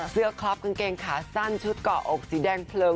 คล็อปกางเกงขาสั้นชุดเกาะอกสีแดงเพลิง